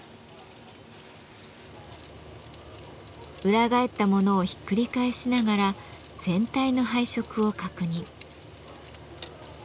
裏返ったものをひっくり返しながら全体の配色を確認。